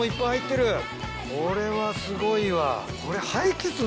これはすごいわ。